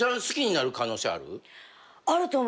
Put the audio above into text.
好きになる可能性ある？